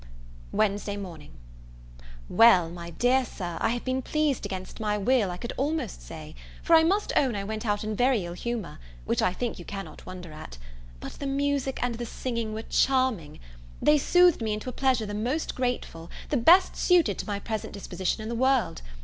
Wednesday Morning. Well, my dear Sir, I have been pleased against my will, I could almost say; for I must own I went out in very ill humour, which I think you cannot wonder at: but the music and the singing were charming; they soothed me into a pleasure the most grateful, the best suited to my present disposition in the world.